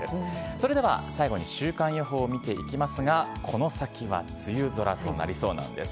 それでは最後に週間予報を見ていきますが、この先は梅雨空となりそうなんです。